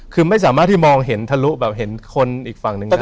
คือไม่สามารถที่มองเห็นทะลุแบบเห็นคนอีกฝั่งหนึ่งได้